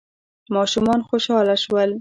ماشومان خوشحاله شول.